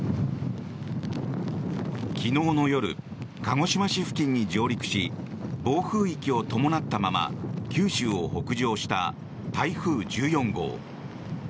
昨日の夜鹿児島市付近に上陸し暴風域を伴ったまま九州を北上した台風１４号。